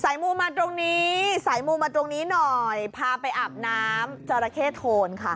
ใส่มูลมาตรงนี้ใส่มูลมาตรงนี้หน่อยพาไปอาบน้ำเจ้าระเข้โทนค่ะ